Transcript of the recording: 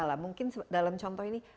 lah mungkin dalam contoh ini